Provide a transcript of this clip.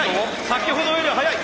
先ほどよりは速い！